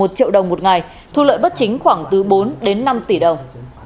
một triệu đồng một ngày thu lợi bất chính khoảng từ bốn đến năm tỷ đồng